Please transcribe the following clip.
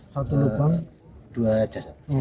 satu lubang dua jenazah